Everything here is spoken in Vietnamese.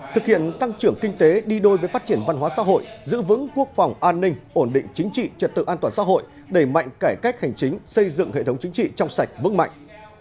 thực hiện tăng trưởng kinh tế đi đôi với phát triển văn hóa xã hội giữ vững quốc phòng an ninh ổn định chính trị trật tự an toàn xã hội đẩy mạnh cải cách hành chính xây dựng hệ thống chính trị trong sạch vững mạnh